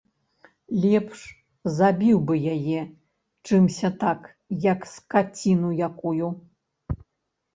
Лепш забіў бы яе, чымся так, як скаціну якую.